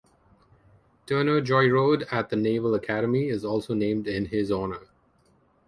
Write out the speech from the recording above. Turner Joy Road at the Naval Academy is also named in his honor.